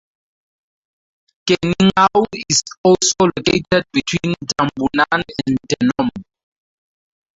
Keningau is also located between Tambunan and Tenom.